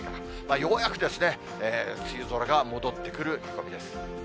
ようやく梅雨空が戻って来る見込みです。